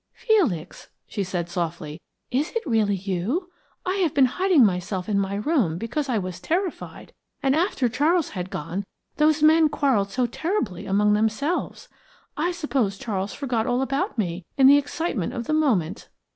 "Felix," she said softly, "is it really you? I have been hiding myself in my room because I was terrified, and after Charles had gone those men quarrelled so terribly among themselves! I suppose Charles forgot all about me in the excitement of the moment."